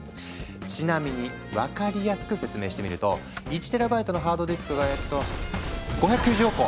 ちなみに分かりやすく説明してみると１ＴＢのハードディスクがえっと５９０億個！